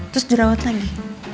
terus jerawat lagi